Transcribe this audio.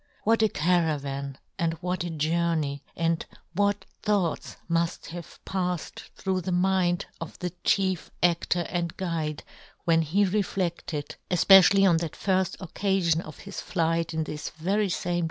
What a caravan, and what a journey ; and what thoughts muft have pafled through the mind of the chief adtor and guide when he re fledled, efpecially on that firft occa fion of his flight in this very fame John Gutenberg.